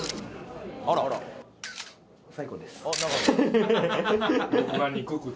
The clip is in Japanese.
最高です。